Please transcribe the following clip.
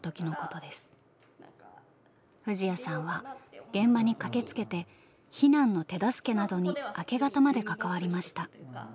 藤彌さんは現場に駆けつけて避難の手助けなどに明け方まで関わりました。